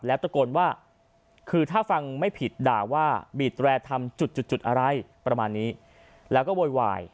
แล้วตะโกนว่าคือถ้าฟังไม่ผิดด่าว่าบีดแรร์ทำจุดจุดอะไรประมาณนี้แล้วก็โวยวาย